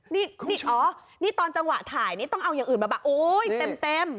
นี่อ๋อนี่ตอนจังหวะถ่ายนี่ต้องเอาอย่างอื่นมาแบบโอ๊ยเต็ม